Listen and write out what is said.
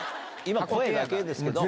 今声だけですけど。